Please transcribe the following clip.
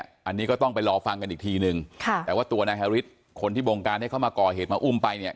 อันนี้ก็ต้องไปรอฟังกันอีกทีนึงค่ะแต่ว่าตัวนายฮาริสคนที่บงการให้เขามาก่อเหตุมาอุ้มไปเนี่ย